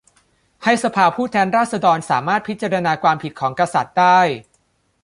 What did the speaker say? ให้สภาผู้แทนราษฎรสามารถพิจารณาความผิดของกษัตริย์ได้